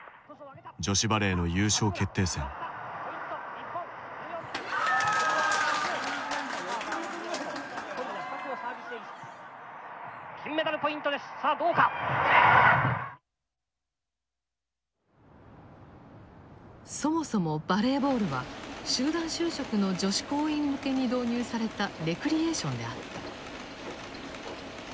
女子バレーの優勝決定戦そもそもバレーボールは集団就職の女子工員向けに導入されたレクリエーションであった。